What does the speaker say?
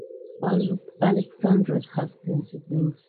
Aleksandras had ten siblings.